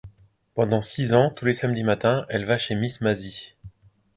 Pendant six ans, tous les samedis matin, elle va chez miss Mazzy.